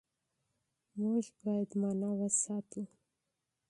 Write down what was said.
موږ بايد مانا وساتو.